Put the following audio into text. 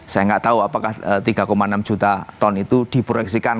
saya nggak tahu apakah tiga enam juta ton itu diproyeksikan